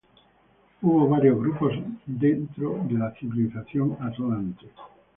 Hubo varios grupos dentro de la civilización Atlante.